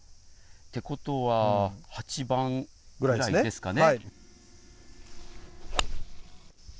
てことは８番ぐらいですかね。